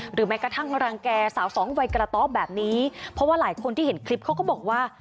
แม้กระทั่งรังแก่สาวสองวัยกระต๊อบแบบนี้เพราะว่าหลายคนที่เห็นคลิปเขาก็บอกว่า